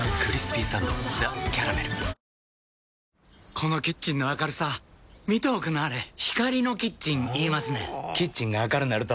このキッチンの明るさ見ておくんなはれ光のキッチン言いますねんほぉキッチンが明るなると・・・